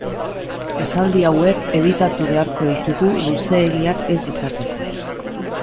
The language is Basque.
Esaldi hauek editatu beharko ditugu luzeegiak ez izateko.